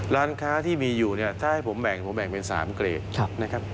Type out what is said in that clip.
ร้านค้าที่มีอยู่เนี่ยถ้าให้ผมแบ่งผมแบ่งเป็น๓เกรดนะครับ